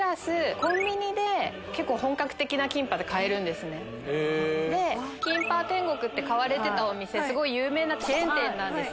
コンビニで結構本格的なキンパって買えるんですねでキンパ天国って買われてたお店すごい有名なチェーン店なんですよ